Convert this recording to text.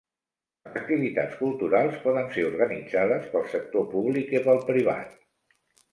Les activitats culturals poden ser organitzades pel sector públic i pel privat.